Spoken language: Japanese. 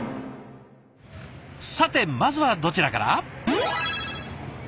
さてまずはどちらから？